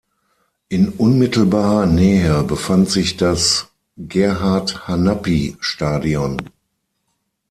In unmittelbarer Nähe befand sich das Gerhard-Hanappi-Stadion.